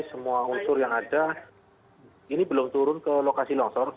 semua unsur yang ada ini belum turun ke lokasi longsor